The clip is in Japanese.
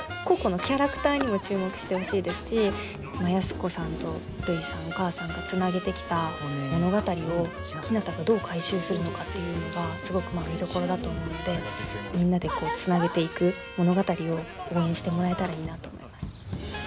個々のキャラクターにも注目してほしいですし安子さんとるいさんお母さんがつなげてきた物語をひなたがどう回収するのかっていうのがすごく見どころだと思うのでみんなでつなげていく物語を応援してもらえたらいいなと思います。